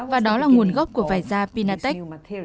và đó là nguồn gốc của vải da pinatex